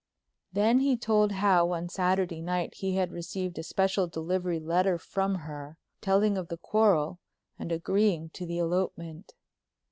Then he told how on Saturday night he had received a special delivery letter from her, telling of the quarrel and agreeing to the elopement.